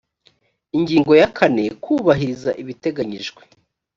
ingingo ya kane kubahiriza ibiteganyijwe